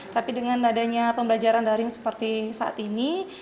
tapi dengan adanya pembelajaran daring seperti saat ini